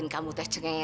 eh kamu kerja atau cinta